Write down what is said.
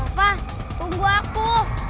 apa tunggu aku